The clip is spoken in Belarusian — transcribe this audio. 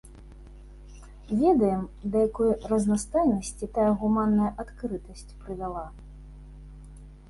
Ведаем, да якой разнастайнасці тая гуманная адкрытасць прывяла.